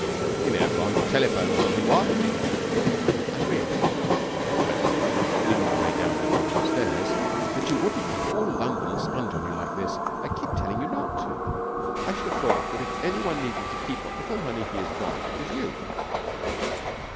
'He may have gone to telephone or something, what?' 'I wish,' said Claire, fretfully, leading the way down the grillroom stairs, 'that you wouldn't let all London sponge on you like this. I keep telling you not to. I should have thought that if any one needed to keep what little money he has got it was you.'